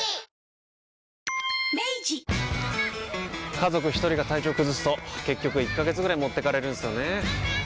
家族一人が体調崩すと結局１ヶ月ぐらい持ってかれるんすよねー。